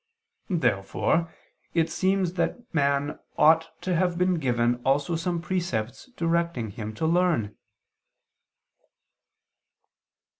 Therefore it seems that man ought to have been given also some precepts directing him to learn.